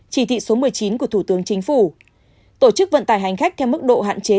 chỉ thị số một mươi chín của thủ tướng chính phủ tổ chức vận tải hành khách theo mức độ hạn chế